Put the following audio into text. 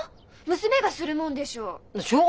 娘がするもんでしょう。